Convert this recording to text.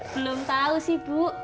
belum tahu sih bu